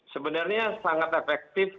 sebenarnya sangat efektif